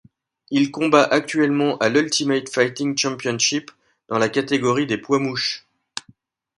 Il combat actuellement à l'Ultimate Fighting Championship dans la catégorie des poids mouches.